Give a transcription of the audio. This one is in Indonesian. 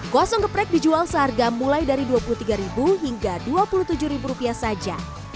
kosong geprek dijual seharga mulai dari rp dua puluh tiga hingga rp dua puluh tujuh saja